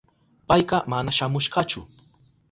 Payka mana shamushkachu.